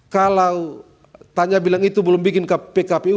kalau tanya bilang itu belum bikin pkpu